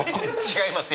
違います。